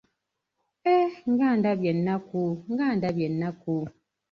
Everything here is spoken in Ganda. Eeh nga ndabye ennaku, nga ndabye ennaku.